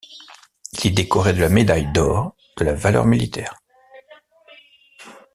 Il est décoré de la médaille d'or de la valeur militaire.